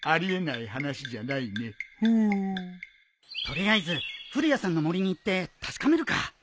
取りあえず古谷さんの森に行って確かめるか。